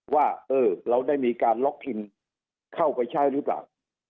ว่าเออเราได้มีการล็อกอินเข้าไปใช้หรือเปล่า